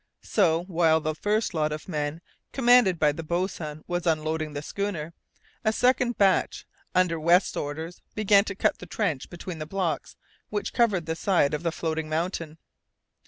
So, while the first lot of men, commanded by the boatswain, was unloading the schooner, a second batch under West's orders began to cut the trench between the blocks which covered the side of the floating mountain.